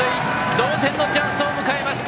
同点のチャンスを向かえました。